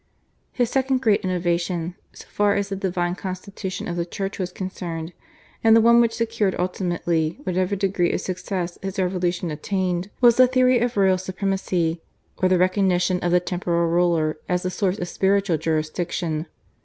His second great innovation, so far as the divine constitution of the Church was concerned, and the one which secured ultimately whatever degree of success his revolution attained, was the theory of royal supremacy, or the recognition of the temporal ruler as the source of spiritual jurisdiction.